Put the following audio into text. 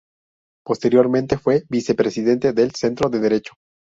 Posteriormente fue vicepresidente del Centro de Derecho.